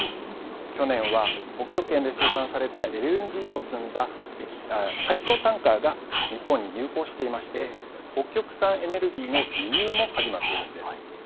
去年は北極圏で生産された、ＬＮＧを積んだ砕氷タンカーが日本に入港していまして、北極産エネルギーの輸入も始まっているんです。